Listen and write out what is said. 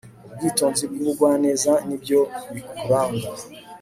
ubwitonzi n' ubugwaneza ni byo bikuranga